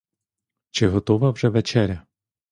Чи готова вже вечеря?